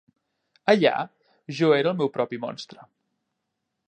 Allà, jo era el meu propi monstre.